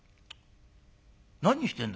何してんだ？